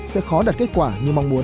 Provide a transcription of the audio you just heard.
sẽ khó đạt kết quả như mong muốn